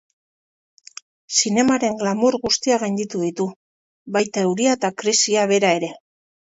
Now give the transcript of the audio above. Zinemaren glamour guztiak gainditu ditu, baita euria eta krisia bera ere.